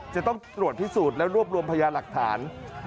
จะต้องตรวจพิสูจน์และรวบรวมพยาหลักฐาน